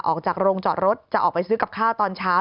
ออกจากโรงจอดรถจะออกไปซื้อกับข้าวตอนเช้า